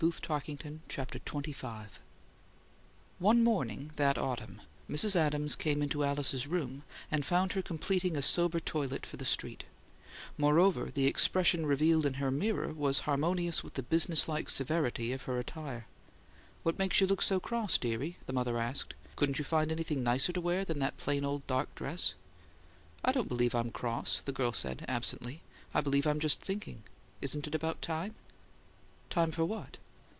We all will." CHAPTER XXV One morning, that autumn, Mrs. Adams came into Alice's room, and found her completing a sober toilet for the street; moreover, the expression revealed in her mirror was harmonious with the business like severity of her attire. "What makes you look so cross, dearie?" the mother asked. "Couldn't you find anything nicer to wear than that plain old dark dress?" "I don't believe I'm cross," the girl said, absently. "I believe I'm just thinking. Isn't it about time?" "Time for what?"